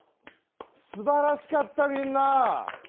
すばらしかったみんな。